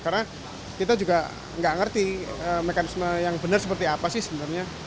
karena kita juga enggak ngerti mekanisme yang benar seperti apa sih sebenarnya